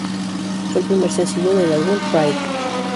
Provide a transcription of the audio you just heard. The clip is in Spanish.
Fue el primer sencillo del álbum "Pride".